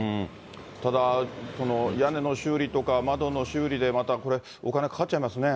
ただ、屋根の修理とか、窓の修理で、またこれ、お金かかっちゃいますね。